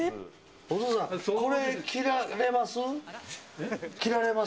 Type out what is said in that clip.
お父さん、これ着られます？